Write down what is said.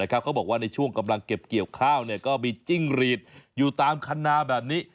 เขาบอกว่าในช่วงกำลังเก็บเกี่ยวข้าวก็มีจิ้งรีดอยู่ตามคันนาแบบนี้